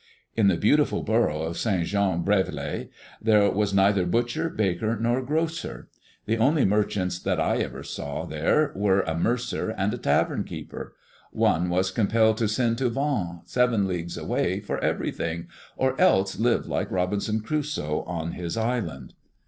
In the beautiful borough of St. Jean Brévelay there was neither butcher, baker, nor grocer. The only merchants that I ever saw there were a mercer and a tavern keeper. One was compelled to send to Vannes, seven leagues away, for everything, or else live like Robinson Crusoe on his island.